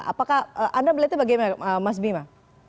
apakah anda melihatnya bagaimana mas bima